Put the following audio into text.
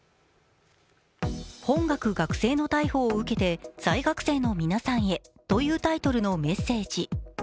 「本学学生の逮捕を受けて在学生のみなさんへ」というタイトルのメッセージ。